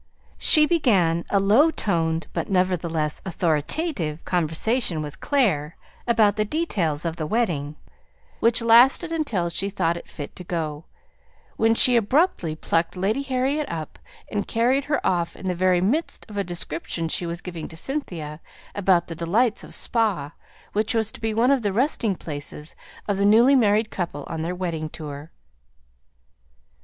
She began a low toned but nevertheless authoritative conversation with Clare about the details of the wedding, which lasted until she thought it fit to go, when she abruptly plucked Lady Harriet up, and carried her off in the very midst of a description she was giving to Cynthia about the delights of Spa, which was to be one of the resting places of the newly married couple on their wedding tour.